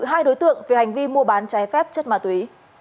hai đối tượng về hành vi mua bán trái phép chất ma túy